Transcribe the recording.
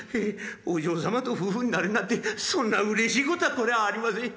お嬢様と夫婦になれるなんてそんなうれしいことはこりゃあありません。